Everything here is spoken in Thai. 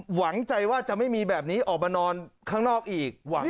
หวังใจว่าจะไม่มีแบบนี้ออกมานอนข้างนอกอีก